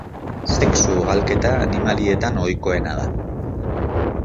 Sexu ugalketa animalietan ohikoena da.